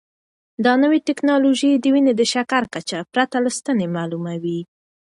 دا نوې ټیکنالوژي د وینې د شکر کچه پرته له ستنې معلوموي.